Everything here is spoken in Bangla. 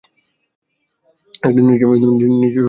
নিচের কিছু ছবিতে দেখা যাচ্ছে।